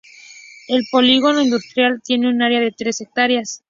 El polígono industrial tiene un área de tres hectáreas.